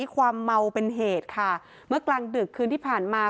ความเมาเป็นเหตุค่ะเมื่อกลางดึกคืนที่ผ่านมา